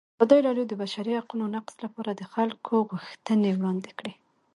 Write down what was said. ازادي راډیو د د بشري حقونو نقض لپاره د خلکو غوښتنې وړاندې کړي.